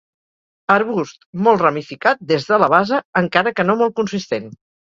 Arbust molt ramificat des de la base, encara que no molt consistent.